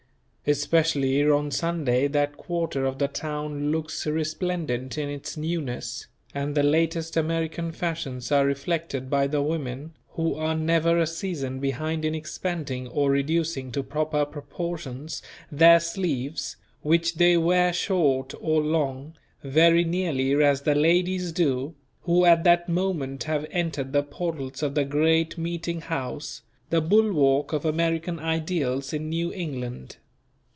Especially on Sunday that quarter of the town looks resplendent in its newness, and the latest American fashions are reflected by the women who are never a season behind in expanding or reducing to proper proportions, their sleeves, which they wear short or long, very nearly as the ladies do, who at that moment have entered the portals of the great meeting house, the bulwark of American ideals in New England.